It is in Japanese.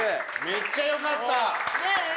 めっちゃ良かった。